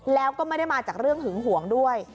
แล้วก็ไม่ได้มาจากเรื่องหึงหวงด้วย